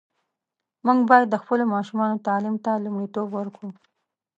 موږ باید د خپلو ماشومانو تعلیم ته لومړیتوب ورکړو.